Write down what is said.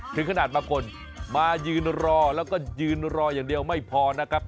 ถึงขนาดบางคนมายืนรอแล้วก็ยืนรออย่างเดียวไม่พอนะครับ